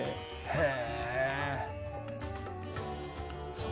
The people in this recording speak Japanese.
へえ。